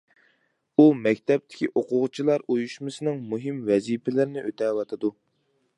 ئۇ مەكتەپتىكى ئوقۇغۇچىلار ئۇيۇشمىسىنىڭ مۇھىم ۋەزىپىلىرىنى ئۆتەۋاتىدۇ.